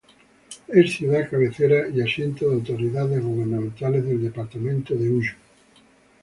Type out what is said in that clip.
Es ciudad cabecera y asiento de autoridades gubernamentales del departamento Ullum.